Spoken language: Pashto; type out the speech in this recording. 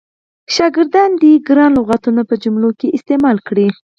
زده کوونکي دې ګران لغتونه په جملو کې استعمال کړي.